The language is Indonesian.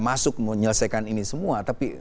masuk menyelesaikan ini semua tapi